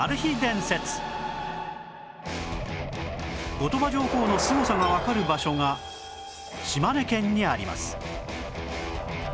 後鳥羽上皇のすごさがわかる場所が島根県にあります